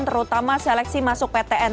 terutama seleksi masuk ptn